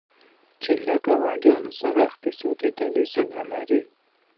چین له ګاونډیانو سره اقتصادي دهلیزونه لري.